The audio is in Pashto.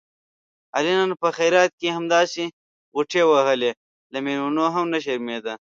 علي نن په خیرات کې همداسې غوټې وهلې، له مېلمنو هم نه شرمېدا.